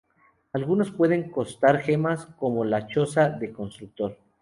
Algunos pueden costar gemas, como lo es la choza de constructor.